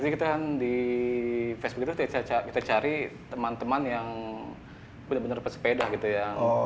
kita di facebook itu cari teman teman yang benar benar pesepeda gitu ya